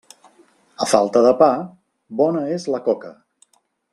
A falta de pa, bona és la coca.